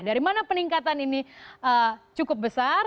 dari mana peningkatan ini cukup besar